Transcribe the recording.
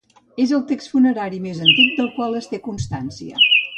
És el text funerari més antic del qual es té constància.